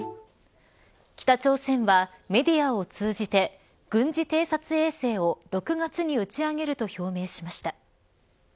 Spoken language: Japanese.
北朝鮮はメディアを通じて軍事偵察衛星を６月に打ち上げると表明しました。